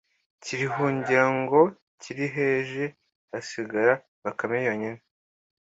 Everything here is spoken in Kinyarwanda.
kirihungira ngo kiriheje, hasigara Bakame yonyine